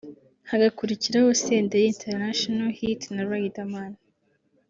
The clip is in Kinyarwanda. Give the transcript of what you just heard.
hagakurikiraho Senderi International Hit na Riderman